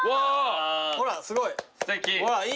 ほらすごい。